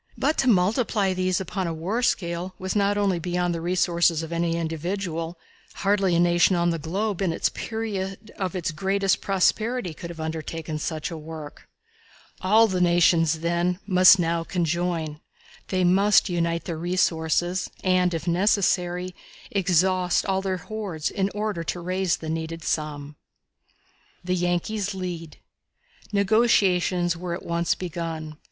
But to multiply these upon a war scale was not only beyond the resources of any individual hardly a nation on the globe in the period of its greatest prosperity could have undertaken such a work. All the nations, then, must now conjoin. They must unite their resources, and, if necessary, exhaust all their hoards, in order to raise the needed sum. The Yankees Lead. Negotiations were at once begun.